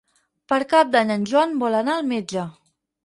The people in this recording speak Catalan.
Per Cap d'Any en Joan vol anar al metge.